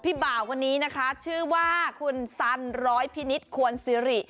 บ่าวคนนี้นะคะชื่อว่าคุณสันร้อยพินิษฐ์ควรซิริ